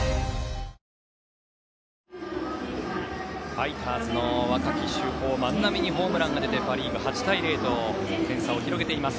ファイターズの若き主砲万波にホームランが出てパ・リーグ、８対０と点差を広げています。